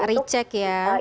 mereka lebih mudah untuk